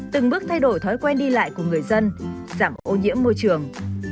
từng bước thay đổi thói quen đi lại của người dân giảm ô nhiễm môi trường